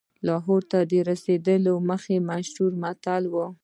لاهور ته تر رسېدلو دمخه مشهور متل و.